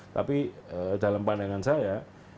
tapi dalam pandangan saya